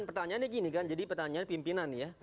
pertanyaannya gini kan jadi pertanyaan pimpinan ya